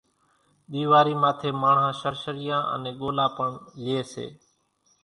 ۮيواري ماٿي ماڻۿان شرشريان انين ڳولا پڻ لئي سي،